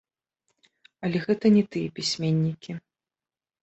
Але гэта не тыя пісьменнікі.